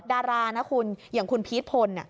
ดารานะคุณอย่างคุณพีชพล